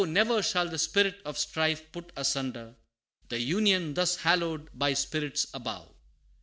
ne'er shall the spirit of strife put asunder, The UNION thus hallowed by spirits above.